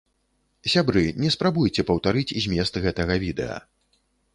Сябры, не спрабуйце паўтарыць змест гэтага відэа.